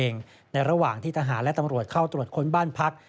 ในระหว่างที่ทหารและตำรวจเข้าตรวจค้นบ้านพัก